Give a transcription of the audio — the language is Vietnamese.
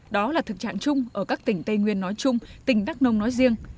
đó là thực trạng chung ở các tỉnh tây nguyên nói chung tỉnh đắk nông nói riêng